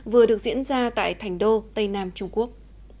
vừa được diễn ra tại thành đô tây nam trung quốc